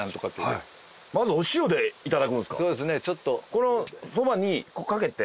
このそばにこうかけて？